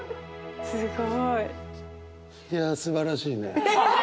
すごい。いやすばらしいね。